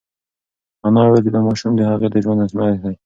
انا وویل چې دا ماشوم د هغې د ژوند ازمېښت دی.